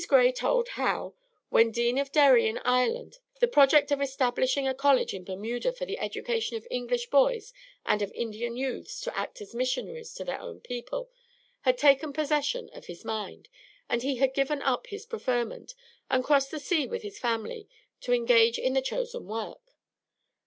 Gray told how, when Dean of Derry in Ireland, the project of establishing a college in Bermuda for the education of English boys and of Indian youths to act as missionaries to their own people, had taken possession of his mind; and he had given up his preferment, and crossed the sea with his family to engage in this chosen work.